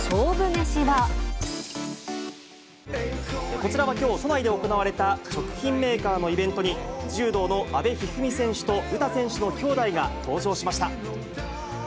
こちらはきょう都内で行われた食品メーカーのイベントに、柔道の阿部一二三選手と詩選手の兄妹が登場しました。